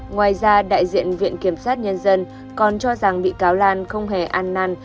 ngoài ra đại diện viện kiểm sát nhân dân còn cho rằng bị cáo lan không hề an năn